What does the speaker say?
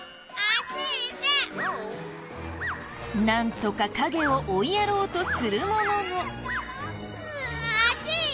なんとか影を追いやろうとするものの。